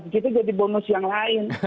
itu jadi bonus yang lain